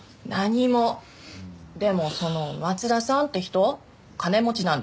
でもその松田さんって人金持ちなんでしょ？